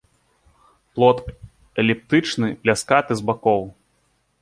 Плод эліптычны, пляскаты з бакоў.